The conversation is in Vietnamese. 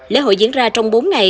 lễ hội diễn ra trong bốn ngày